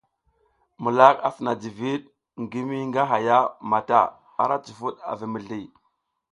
Mulak a sina jiviɗ ngi mi nga haya mata, ara cifud a vi mizli.